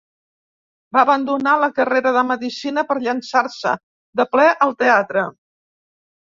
Va abandonar la carrera de Medicina per llençar-se de ple al teatre.